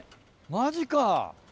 マジか！